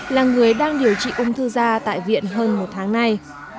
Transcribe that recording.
là người đang điều trị ung thư da tại viện hơn một tháng nay